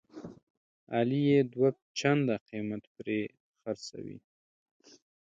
علي یې دوه چنده قیمت پرې خرڅوي.